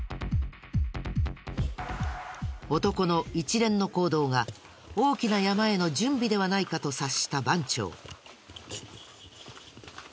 男の一連の行動が大きなヤマへの準備ではないかと察した番長。